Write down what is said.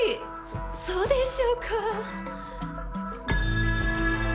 そそうでしょうか？